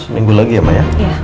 minggu lagi ya maya